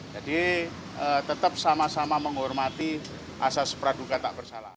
jadi tetap sama sama menghormati asas peradukan tak bersalah